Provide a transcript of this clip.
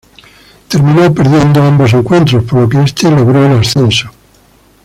Terminó perdiendo ambos encuentros, por lo que este logró el ascenso.